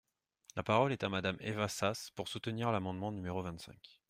La parole est à Madame Eva Sas, pour soutenir l’amendement numéro vingt-cinq.